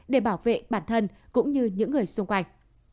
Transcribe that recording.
để bảo vệ bản thân cũng như những người xung quanh